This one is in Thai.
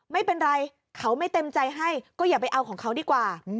ไม่เป็นไรเขาไม่เต็มใจให้ก็อย่าไปเอาของเขาดีกว่า